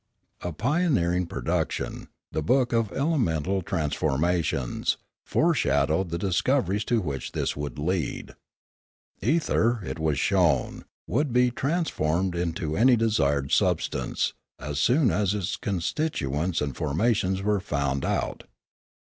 A pioneering production, the book of elemental trans formations, foreshadowed the discoveries to which this would lead. Ether, it was shown, would be trans formed into any desired substance, as soon as its con stituents and formation were found out.